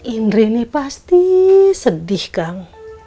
indri ini pasti sedih kang